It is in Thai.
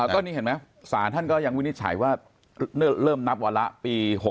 ก็นี่เห็นไหมศาลท่านก็ยังวินิจฉัยว่าเริ่มนับวาระปี๖๖